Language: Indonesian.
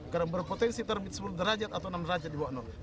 karena berpotensi terbit sepuluh derajat atau enam derajat di bonto maranu